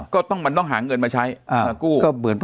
ก็ต้องมันต้องหาเงินมาใช้มากู้